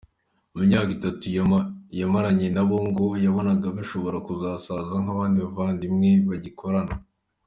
Mu myaka itatu yamaranye nabo ngo yabonaga bashobora kuzasaza ari nk’abavandimwe bagikorana.